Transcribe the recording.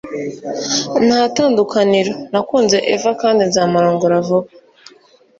nta tandukaniro. nakunze eva kandi nzamurongora vuba